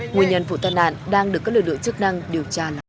nguyên nhân vụ tai nạn đang được các lực lượng chức năng điều tra